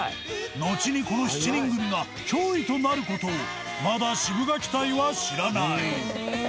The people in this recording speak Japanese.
のちにこの７人組が脅威となる事をまだシブがき隊は知らない。